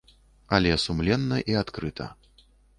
Але сумленна і адкрыта.